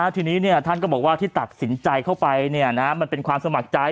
ทีนี้ท่านก็บอกว่าที่ตัดสินใจเข้าไปมันเป็นความสมัครใจ